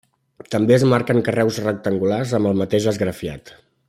També es marquen carreus rectangulars amb el mateix esgrafiat.